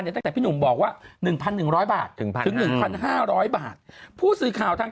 ตั้งแต่พี่หนุ่มบอกว่า๑๑๐๐บาทถึง๑๕๐๐บาทผู้สื่อข่าวทาง